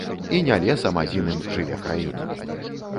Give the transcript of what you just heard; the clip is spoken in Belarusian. І не лесам адзіным жыве краіна.